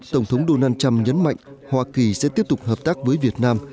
tổng thống donald trump nhấn mạnh hoa kỳ sẽ tiếp tục hợp tác với việt nam